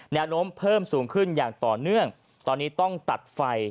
แนวโน้มเพิ่มสูงขึ้นอย่างต่อเนื่องตอนนี้ต้องตัดไฟ